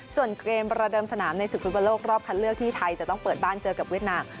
ส่วนเกมประเดิมสนามในศึกฟุตบอลโลกรอบคัดเลือกที่ไทยจะต้องเปิดบ้านเจอกับเวียดนาม